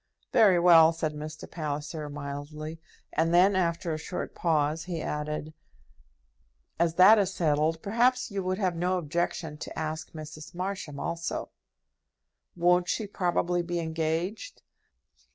"Very well," said Mr. Palliser, mildly. And then, after a short pause, he added, "As that is settled, perhaps you would have no objection to ask Mrs. Marsham also?" "Won't she probably be engaged?"